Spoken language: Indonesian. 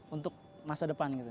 untuk masa depan gitu